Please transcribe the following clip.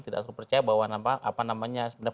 tidak terpercaya bahwa apa namanya sebenarnya politik itu